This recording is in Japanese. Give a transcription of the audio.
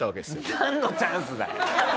なんのチャンスだよ！